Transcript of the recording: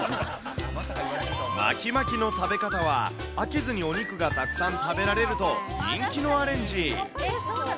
巻き巻きの食べ方は、飽きずにお肉がたくさん食べられると、人気のアレンジ。